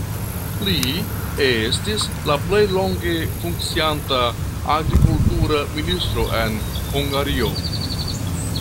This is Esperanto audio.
Li estis la plej longe funkcianta agrikultura ministro en Hungario.